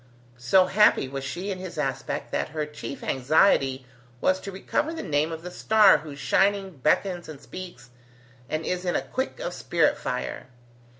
So happy was she in his aspect, that her chief anxiety was to recover the name of the star whose shining beckons and speaks, and is in the quick of spirit fire.